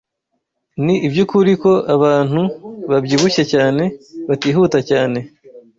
Ni iby’ukuri ko abantu babyibushye cyane batihuta cyane